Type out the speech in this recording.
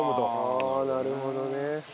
ああなるほどね。